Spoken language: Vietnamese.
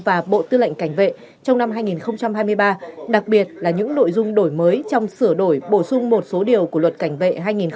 và bộ tư lệnh cảnh vệ trong năm hai nghìn hai mươi ba đặc biệt là những nội dung đổi mới trong sửa đổi bổ sung một số điều của luật cảnh vệ hai nghìn hai mươi ba